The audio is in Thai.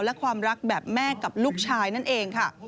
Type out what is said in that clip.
และความรักแบบแม่กับลูกชายนั่นเองค่ะ